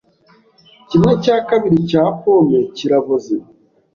Kimwe cya kabiri cya pome kiraboze.